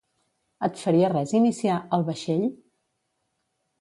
Et faria res iniciar "El vaixell"?